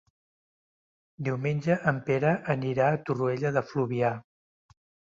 Diumenge en Pere anirà a Torroella de Fluvià.